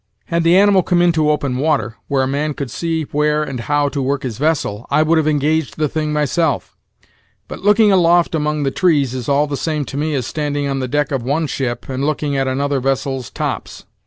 Had the animal come into open water, where a man could see where and how to work his vessel, I would have engaged the thing myself; but looking aloft among the trees is all the same to me as standing on the deck of one ship, and looking at another vessel's tops.